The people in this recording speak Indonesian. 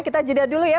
kita jeda dulu ya